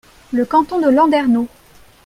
Le canton de Landerneau.